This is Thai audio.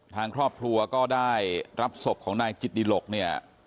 ทางครอบครัวก็ได้รับศพของนายจิตดิหลกเนี่ย